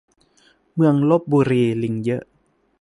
เมืองลพบุรีลิงเยอะ